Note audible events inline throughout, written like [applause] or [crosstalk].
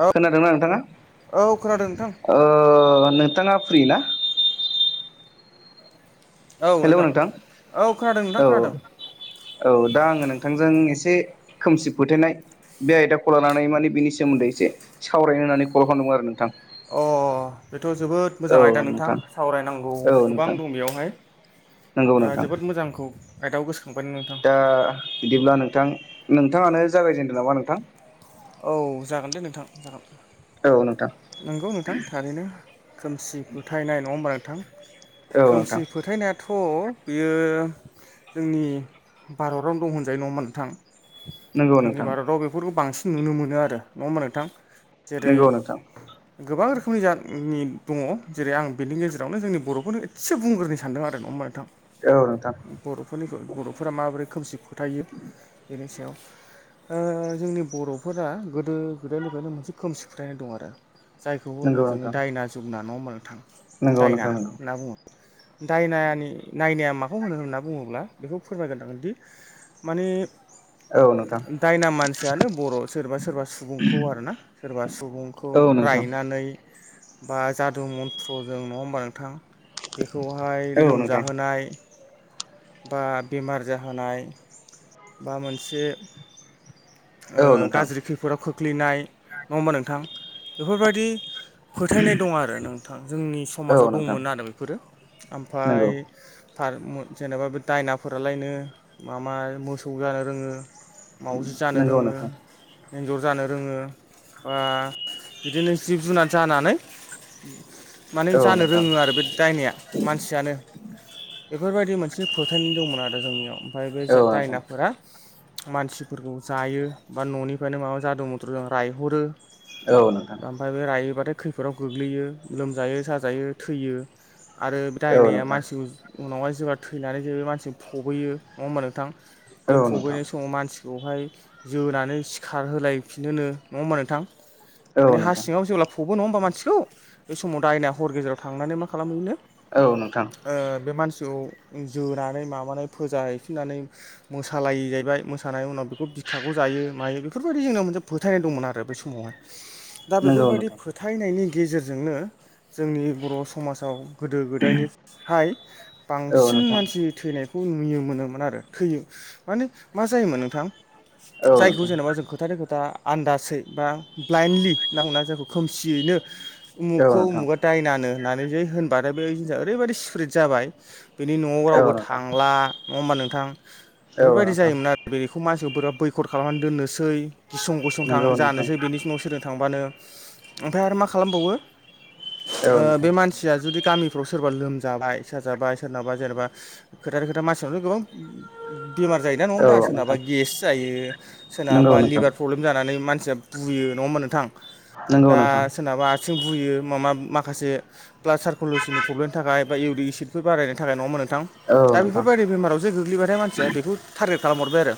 औ खोनादोंना नोंथांङा? औ खोनादों नोंथां नोंथांङा फ्रि ना? हेलौ नोंथां औ खोनादों नोंथां औ खोनादों औ औ दा आंङो नोंथांजों एसे मोनसे खोमसि फोथायनाय बे आयदाखौ लानानै माने बिनि सोमोन्दै एसे सावरायनो होननानै खल खालामदों दंङ आरो नोंथां अ अ अ थ' जोबोद मोजां आयदा नोंथां सावरायनांगौ औ गोबां नोंथां दं बेयावहाय नंगौ दा नोंथां जोबोद मोजांखौ आयदाव गोसो दा बिदिब्ला नोंथां नोंथांङानो जागायजेनदों नामा नोंथां औ जागोन दे नोंथां जागोन औ नोंथां नंगौ नोंथां थारैनो खोमसि फोथायनाय नङा होमबा नोंथां! औ खोमसि नोंथां फोथायनायाथ' थ' बियो जोंनि भारतावनो दं होनजायो नङा नोंथां! नंगौ जोंनि नोंथां भारताव बेफोरखौ बांसिन नुनो मोनो आरो नङा होमबा नोंथां! जेरै नंगौ नोंथां! गोबां रोखोमनि जानि दङ जेरै आं बेनि गेजेरावनो जोंनि बर'फोरनो एसे बुंग्रोनो सानदों आरो नङा नोंथां! औ नोंथां बर'फोरनिखौ बर'फोरा माबोरै खोमसि फोथायो बेनि सायाव ओ जोंनि बर' फोरा गोदो गोदायनिफ्रायनो मोनसे खोमसि फोथायनाय दं आरो जायखौ होनो नंगौ जोङो नोंथां दायना जोगना नआ मोन थां नंगौ दायना नोंथां नंगौ होनना बुङो! दायनानि नायनाया माखौ होनो होनना बुङोब्ला बेखौ फोरमायग्रांगोनदि माने औ नोंथां दायना मानसियानो बर' मा सोरबा सुबुंखौ आरोना सोरबा सुबुंखौ औ नोंथां रायनानै बा जादु मन्त्रजों नङा होमबा नोंथां! बेखौहाय औ नोंथां लोमजाहोनाय बा बेमार जाहोनाय बा मोनसे ओ औ नोंथां गाज्रि खैफोदाव खोख्लैनाय नङा होमबा नोंथां। बेफोरबायदि फोथायनाय दं आरो नोंथां जोंनि औ समाजाव नोंथां दंमोन आरो। बेफोरो ओमफफ्राय नंगौ थार मो जेनेबा बे दायनाफोरालायनो मामा मोसौ जानो रोङो। उम' रोङो‌। एन्जर जानो रोङो बा बिदिनो जिब जुनार जानानै। माने औ जानो नोंथां रोङो आरो बे दायनाया मानसियानो बेफोरबायदि मोन मोनसे फोथायनाय दंमोन आरो जोंनियाव ओमफ्राय बे औ नोंथां दायनाफोरा मानसिफोरखौ जायो बा न'निफ्रायनो माबा जादों मथ्र' ज रायहरो औ नोंथां ओमफ्राय बे रायोबा थाय खैफोदाव गोग्लैयो लोमजायो साजायो थैयो। आरो बे औ दायनाया नोंथां मानसि उनावा जेब्ला थैनानै जो मानसि फबैयो नङा होमबा नोंथां। औ बे नोंथां फब्लेनाय समाव मानसिखौ हाय जोनानै सिखार होलायफिनहोनो नङा होमबा नोंथां। माने औ हा नोंथां सिङाव जेब्ला फब फबबो नङा होनोमबा मानसिखौ। बे समाव दायना हर गेजेराव थांनानै मा खालामहैनो औ नोंथां ओ बे मानसिखौ जोनानै माबानानै फोजा हैैफिननानै मोसालायो जाहैबाय मोसानाय उनाव बेखौ खाखौ जायो मायो बेफोरबायदि जोंनाव मोनसे फोथायनाय दंमोन आरो बे समावहाय। दा नंगौ बेफोरबायाददि नोंथां फोथायनायनि गेजेरजोंनो जोंनि बर' समाजाव गोदो गोदायनिफ्राय औ बांसिन नोंथां मानसि थैनाय खौ नुयो मोनोमोन आरो थैयो माने मा जायोमोन नोंथां? औ जायखौ नोंथां जेनेबा जों खोथानि खोथा आन्दासै बा ब्लाइन्दडलि नांना जायखौ खोमसियैनो औ उमुखखौ नोंथां उमुगा दायनानो होननानै जै होनबाथाय बे जिनिसा ओरैबायाददि स्प्रेद जाबाय। बेनि न'आव औ रावबो नोंथां थांला नङा होमबा नोंथां। औ बेफोरबायदि नोंथां जायोमोन आरो बेखौ मान बोरा बैखद खालामनानै दोननोसै गिसं गसं थां नंगौ नोंथां जानोसै बिनिनाव सोरजों थांबानो। ओमफ्राय आरो मा खालामबावो औ ओ बे नोंथां मानसिया जुदि गामिफ्राव सो सोरबा लोमजाबाय साजाबाय सोरनाबा जेनेबा खोथा खोथा मानसिनथ' गोबां बेमार जायोना नङा होमबा औ सोरनाबा नोंथां गेस जायो सोरनाबा नंगौ नोंथां लिभार प्रब्लेम जानानै मानसिया बुयो नङाहोबा नोंथां। नंगौ दा नोंथां सोरनाबा बुयो मा मा माखासे ब्लाड सारकुलेसननि प्र्लमनि थाखाय बा इउरिक एसिदफोर बारायनो थाखाय नङा होमबा नोंथां! थां औ दा नोंथां बेफोरबायदि बेमारावसो गोग्लैबायथाय मानसिया बेखौ टारगेट खालाम हरबाय आरो।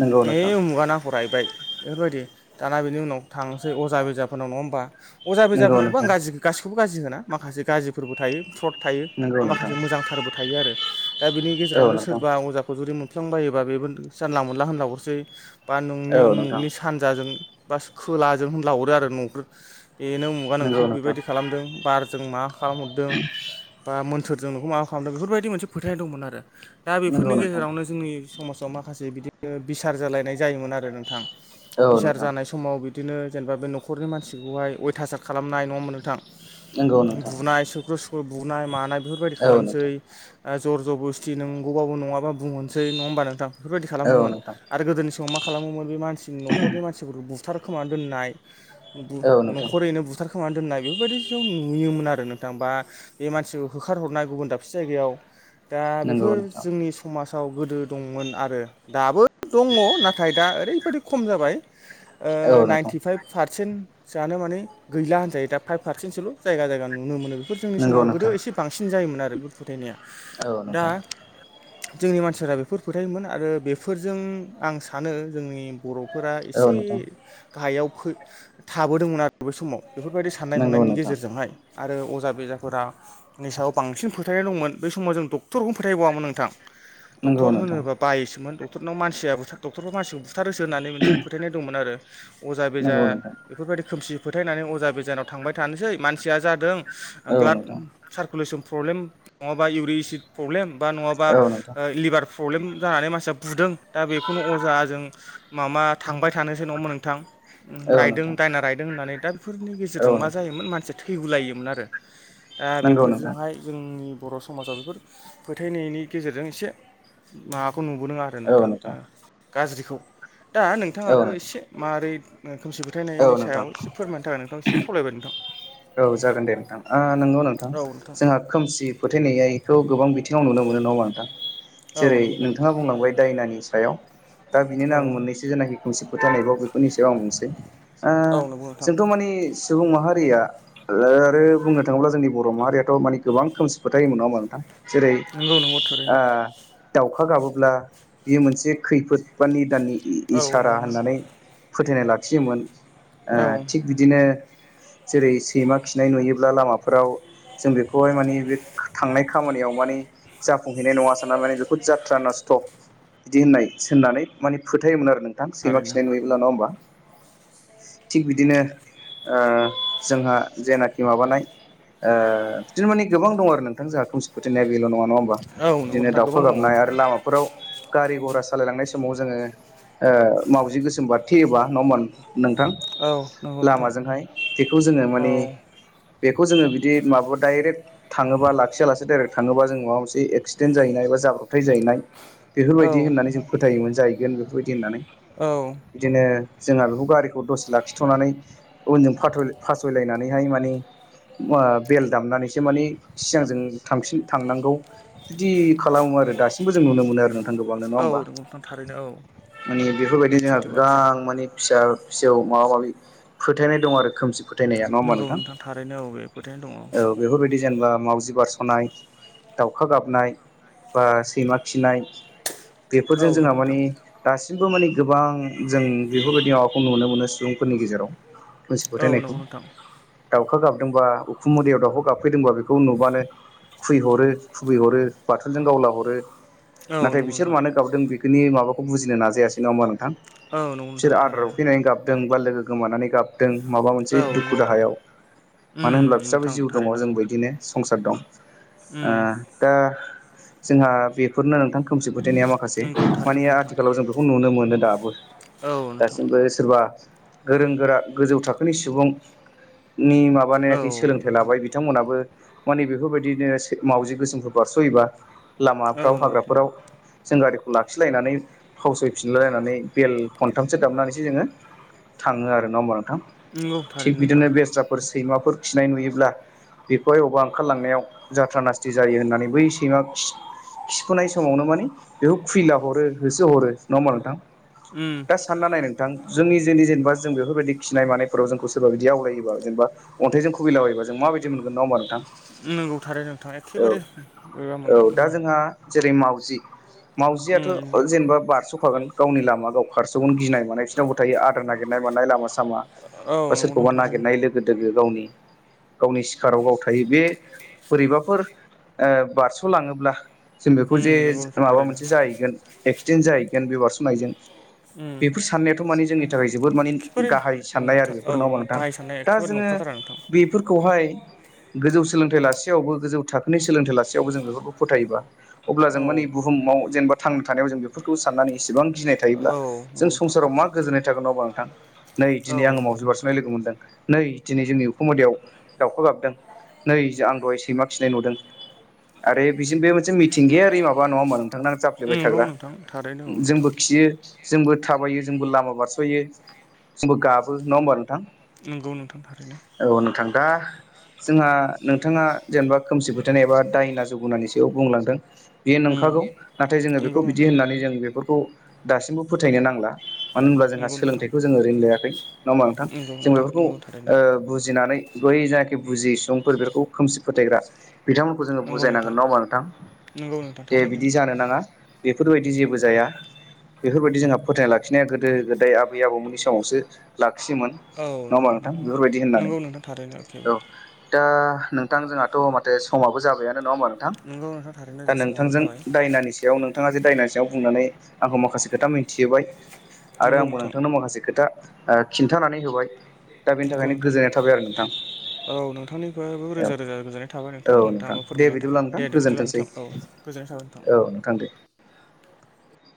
नंगौ नोंथां ओइ उमुगाना रायबाय। बेफोरबायदि दाना बिनि उनाव थांसै अजा बेजाफोरनाव नङा होमबा। अजा नंगौ बेजाफोरखौबो आं नोंथां गाज्रि गासिखौबो गाज्रि होना माखासे गाज्रिफोरबो थायो। फ्रट थायो। नंगौ बा नोंथां माखासे मोजांथारबो थायो आरो दा बिनि औ गेजेरावनो नोंथां सोरबा अजाखौ जुदि मोन फ्लांबायोबा बेबो जानला मोनला होनला हरसै बा नोंनि औ नोंथां उमुगनि सानजाजों बास खोलाजों होन लाहरो आरो न'फोर बेनो उमुगा नोंखौ नंगौ नोंथां बेबायदि खालामदों बारजों मा खालामहरदों बा मोन सोरजों नोंखौ माबा खालामदों बेफोरबायदि मोनसे फोथाय दंमोन आरो दा नंगौ बेफोरनि नोंथां गेजेरावनो जोंनि समाजाव मा माखासे बिदिनो बिसार जालायनाय जायोमोन आरो नोंथां औ बिसार नोंथां जानाय समाव बि बिदिनो जेनेबा बे न'खरनि मानसिखौहाय अयथासार खालामनाय नङामोन नोंथां। नंगौ नोंथां बुनाय सुख्र' सुख्र' बुनाय मानाय बेफोरबायदि औ खालामसै नोंथां ओ जर ज'बस्थि नंगौबाबो नङाबा बुंहनोसै नङा होमबा नोंथां बेफोरबायदि औ खालामोमोन। नोंथां दा गोदोनि समाव मा खालामोमोन बे मानसिनि न'खरनि मानसिफोरखौ बुथारखोमा दोननाय औ नोंथां बु-न'खरैनो बुथार खोमानानै दोननाय बेफोरबायदि जिव नुयोमोन आरो नोंथां बा बे मानसिखौ होखारहरनाय गुबुन दाबसे जायगायाव। दा नंगौ बेफोर नोंथां जोंनि समाजाव गोदो दंमोन आरो दाबो दङ नाथाय दा ओरैबायदि खम जाबाय ओ औ नोंथां नाइन्टिफाइभ पार सेन्ट जानो माने गैला होनजायो दा फाइभ पारसेन्सोल' जायगा जायगा नुनो मोनो। फोर जोंनि नंगौ समाव गोदो नोंथां एसे बांसिन जायोमोन आरो बेफोर फोथायनाया। औ दा नोंथां। जोंनि मानसिफोरा बेफोर फोथायोमोन आरो बेफोरजों आं सानो जोंनि बर' फोरा औ एसे नोंथां गाहायाव फो-थाबोदोंमोन आरो बै समाव बेफोरबायदि साननाय नंगौ हनायनि नोंथां गेजेरजोंहाय आरो अज जा बेजाफोरा नि सायाव बांसिन फोथायनाय दंमोन बेै समाव जों डक्टरखौनो फोथायबावामोन नोंथां। नंगौ डक्टर नोंथां होनोबा बायोसोमोन ड क्टरनाव मानसिया बुथार डक्टरफ्रा मानसिखौ बुथारोसो होननानै मोनसे फोथायनाय दंमोन आरो अजा बेजा नंगौ नोंथां बेफोरबायदि खोमसि फोथायनानै अजा बेजानाव थांबाय थानोसै मानसिया जादों औ ब्लाड नोंथां सारकुलेसन प्रब्लेम नङाबा इउरिसिद प्रब्लेम बा नङाबा औ नोंथां ओ लिभार प्रब्लेम जानानै मानसिया बुदों दा बेखौनो अजा जों मा मा थांबाय थानोसो नङा होमबा नोंथां औ रायदों नोंथां दायना रायदों होननानै। दा बेफोरनि गेजेरजों औ मा नोंथां जायोमोन मानसिया थैगुलायोमोन आरो दा नंगौ नोंथां बेफोरजोंहाय जोंनि बर' समाजाव बेफोर फोथायनायनि गेजेरजों एसे माबाखौ नुबोदों आरो नोंथां ओ गाज्रिखौ दा औ नोंथाङाबो नोंथां एसे मारै ओ खोमसि फो फोथायनायनि औ नोंथां सायाव एसे फोरमायनो थाखाय नोंथांखौ एसे खावलायबाय नोंथां। औ जागोन दे नोंथां ओ नोंगौ नोंथां जोंहा खोमसि फोथायनाय आइखौ गोबां बिथिं ङाव नुनो मोनो नङा होनबा नोंथां औ जेरै नोंथां नोंथाङा बुंलांबाय दायनानि सायाव दा बिनिनो औ आं मोननैसो जेनाखि खोमसि फोथायनायखौ बेफोरनि सायाव आं बुंसै ओ औ नंगौ नोंथां जोंथ मानि सुबुं माहारिया ओ आरो बुंनो थाङोब्ला जोंनि बर माहारियाथ मानि गोबां खोमसि फोथायोमोन नङा होमबा नोंथां। जेरै नंगौ नंगौ थारैनो ओ दाउखा गाबोब्ला बियो मोनसे खैफोद बा निदाननि औ इ-इसारा नंगौ होननानै फोथायनाय लाखियोमोन ओ औ थिग बिदिनो जेरै सै सैमा खिनाय नुयोब्ला लामाफोराव जों बेखौहाय मानि बे थांनाय खामानियाव माने जा जाफुंहैनाय नङा साना माने बेखौ जात्रा नस्थ बिदि होननाय सोननानै माने फोथायोमोन आरो नोंथां सैमा थारैनो खिनाय नुयोब्ला नङा होनबा थिग बिदिनो ओ जोंहा जेनाखि माबानाय ओ बिदिनो मानि गोबां दं आरो नोंथां जोंहा खोमसि फोथायनाया बेल' नङा नङा होमबा औ नंगौ बिदिनो नोंथां दाउखा गोबां दङ औ गाबनाय आरो लामाफोराव गारि गरहा सालायलांनाय समाव जोङो ओ मावजि गोसोम बारथेयोबा नङा होनबा नों नोंथां औ नंगौ नोंथां लामाजोंहाय बेखौ जोङो औ माने बेखौ जोङो बिदि माबा डाइरेक्ट थाङोबा लाखियालासे डाइरेक्ट थाङोबा जों माबा मोनसे एक्सिडेन्ट जाहैनाय बा जाब्रबथाय जायैनाय औ बेफोरबायदि होननानै जों फोथायोमोन जाहैगोन बेफोरबायदि होननानै औ बिदिनो जोंहा बेखौ गारिखौ दसे लाखिथनानै उनजों फाथय फासयलायनानैहाय मानि ओ बेल दामनानैसो मानि सिगांजों थांफिन थांनांगौ बिदि खालामो आरो दासिमबो जों नुनो मोनो आरो नांगौबावनो नङा होमबा औ नंगौ नोंथां थारैनो औ मानि बेफोरबायदि जोंहा सैथो बाथ्रा गोबां मानि फिसा फिसौ माबा माबि फोथायनाय दं आरो खोमसि फोथायनाया नङा होमबा नोंगौ नोंथां थारैनो अ बेे फोरथायनाय दङ बा मावजि बारसनाय दाउखा गाबनाय बा सैमा खिनाय औ बेफोरजों जोंहा नंगौ नोंथां मानि दासिमबो मानि गोबां जों बेफोरबायदि माबाखौ नुनो मोनो सुबुंफोरनि गेजेराव खोमसि औ फोथायनायखौ नंगौ नोंथां दाउखा गाबदोंबा उखुम मुदायाव दाउखौ गाबफैदोंबा बेखौ नुबानो खुैहरो खुबैहरो बाथुलजों गावला हरो औ नाथाय नंगौ बिसोर नोंथां मानो गाबदों बेखोनि माबाखौ बुजिनो नाजायासै नङा होमबा नोंथां औ नंगौ बिसोर नोंथां आदार थारैनो उखैनानै गाबदों बा लोगो गोमानानै गाबदों माबा मोनसे औ दुख नंगौ नोंथां दाहायाव मानो उम होनब्ला बिस्राबो नोंथां जिउ दङ थारैनो औ जोंबो बिदिनो संसार दं उम दा जोंहा बेफोरनो नोंथां खोमसि फोथायनाया माखासे नोंगौ मानि थारैनो नोंथां आथिखालाव जों बेखौ नुनो मोनो दाबो औ नोंथां दासिमबो सोरबा गोरों गोरा गोजौ थाखोनि सुबुं नि औ माबानायाखि सोलोंथाइ नोंथां लाबाय बिथांमोनाबो माने बेफोरबायदिनो मावजि गोसोमफोर बारस'योबा औ लामाफ्राव नंगौ नोंथां हाग्राफोराव जों गारिखौ लाखिलायनानै फावसैफिनलाय लायनानै बेल खनथामसो दामनानैसो जोङो थाङो आरो ना होनबा नोंथां नंगौ थिग थारैनो नोंथां बिदिनो बेस्राफोर सैमाफोर खिनाय नुयोब्ला बेखौहाय अबेबा ओंखारलांनायाव जाथ्रा नासथि जायो होननानै बै सैमा खिफुनाय समावनो माने बेखौ खुइला हरो होसो हरो नङा होमबा नोंथां उम दा सानना नाय नोंथां जोंनि जोंनि जेनेबा जों बेफोरबायदि खिनाय मानायफोराव जोंखौ स सोरबा बिदि आवलायोबा जेनेबा अन्थाइजों खुबैलाबायोबा जों माबादि मोनगोन नङा होनबा नोंथां नंगौ थारैनो नोंथां एखेबारे बोरैबा मोनगोन औ-औ उम दा जोंहा जेरै मावजि मावजियाथ' उम जेनेबा बारस'खागोन गावनि लामा गाव खारसनो गिनाय मानाय बिसनावबो थायो आदार नागिरनाय मानाय लामा सामा औ बा नंगौ नोंथां सोरखौबा थारैनो नागिरनाय लोगो दोगो गावनि गावनि सिखाराव गावथायो बे बोरैबाफोर बारस'लाङोब्ला जों बेखौ उम जे नंगौ नोंथां माबा थारैनो मोनसे जाहैगोन एक्सिडेन्ट जाहैगोन बे बारस'नायजों उम बेफोर साननायाथ' माने जोंनि थाखाय जोबोद माने एखेबारे गाहाय साननाय आरो नंथार औ नङा होनबा नोंथां गाहाय साननाया दा एखेबारे जोङो नंखाथारा नोंथां बेफोरखौहाय गोजौ सोलोंथाइ लासेयावबो गोजौ थाखोनि सोलोंथाइ लासेयावबो जों बेफोरखौ फोथायोबा अब्ला जों मानि औ बुहुमाव जेनेबा थांनो थानायाव जों बेफोरखौ साननानै इसेबां गिनाय औ थायोब्ला नंगौ जों नोंथां संसाराव मा गोजोननाय थागोन नङा होनबा नोंथां नै औ दिनै आङो मावजि नोंथां बारस'नाय लोगो थारैनो मोनदों नै दिनै जोंनि उखुम मुदयाव दाउखा गाबदों नै आं दहाय सैमा खिनाय नुदों आरो बिजोंनि बे मोनसे मिथिंगायारि माबा नङा होनबा नोंथां नांजाब बाय नंगौ थाग्रा नोंथां थारैनो औ नोंथां जोंबो खियो जोंबो थाबायो जोंबो लामा बारस'यो जोंबो गाबो नङा होमबा नोंथां नंगौ नोंथां थारैनो औ नोंथां दा जोंहा नोंथाङा जेनेबा खोमसि फोथायनाय एबा दायना जुगुनानि सायाव बुंलांदों बेयो उम नंखागौ नाथाय जोङो बेखौ नंगौ बिदि नोंथां होननानै थारैनो जों बेफोरखौ दासिमबो फोथायनो नांला मानो होनब्ला जोंहा नंगौ नोंथां सोलोंथाइखौ जोङो ओरैनो लायाखै नङा होनबा नोंथां नंगौ जों नोंथां बेफोरखौ नंगौ थारैनो बुजिनानै बै जायाखि बुजि सुबुंफोर बेफोरखौ खोमसि फोथायग्रा बिथांमोनखौ जोङो नंगौ नोंथां बुजायनांगोन नङा होनबा नंगौ नोंथां? नोंथां दे थारैनो बिदि जानो नाङा बे बेफोरबायदि जेबो जाया। बेफोरबायदि जोंहा फोथायना लाखिनाया गोदो गोदाय आबै आबौमोननि समावसो लाखियोमोन। औ नङा नंगौ होमबा नोंथां? बेफोरबायदि होननानै नंगौ नोंथां थारैनो एखेबो औ दा नों नोंथां जोंहाथ 'माथो समाबो जाबाय आ नङा होनबा नोंथां नंगौ नोंथां थारैनो दा जोंहा समाबो नोंथांजों जाबाय दायनानि सायाव नोंथाङा जे दायनानि सायाव बुंनानै आंखौ माखासे खोथा मिथिहोबाय आरो नंगौ आंबो नोंथां नोंथांनो माखासे खोथा खिन्थानानै होबाय दा बेनि नंगौ थाखायनो नोंथां गोजोननाय थाबाय आरो नोंथां। औ नोंथांनिफ्रायबो औ रोजा रोजा गोजोननाय थाबाय नोंथां औ नोंथाङाबो दे फोरमायनायनि थाखाय बिदिब्ला नोंथां दे दे बिदिब्ला गोजोनथोंसै नोंथां औ। गोजोन्नाय थाबाय औ दे नोंथां। [inaudible] [unintelligible]